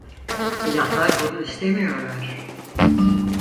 İlahlar bunu istemiyorlar…